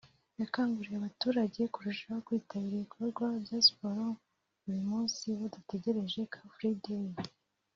yakanguriye abaturage kurushaho kwitabira ibikorwa bya Siporo buri munsi badategereje Car Free day